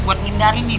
buat menghindari nih